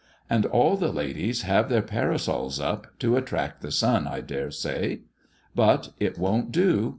And all the ladies have their parasols up, to attract the sun, I dare say; but it won't do.